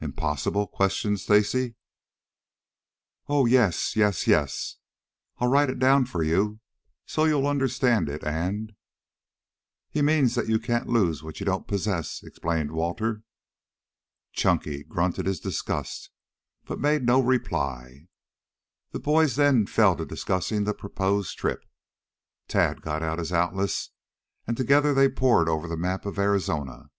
Impossible?" questioned Stacy. "Oh, yes, yes, yes. I'll write it down for you so you'll understand it and " "He means that you can't lose what you don't possess," explained Walter. Chunky grunted his disgust, but made no reply. The boys then fell to discussing the proposed trip. Tad got out his atlas and together they pored over the map of Arizona.